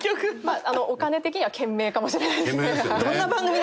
お金的には懸命かもしれないですね。